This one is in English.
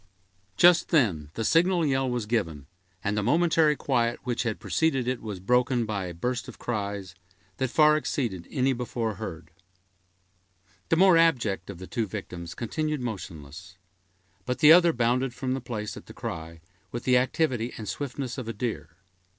Just then the signal yell was given, and the momentary quiet which had preceded it was broken by a burst of cries, that far exceeded any before heard. The more abject of the two victims continued motionless; but the other bounded from the place at the cry, with the activity and swiftness of a deer.